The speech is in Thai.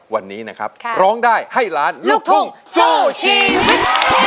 วันนี้นะครับร้องได้ให้ล้านลูกทุ่งสู้ชีวิต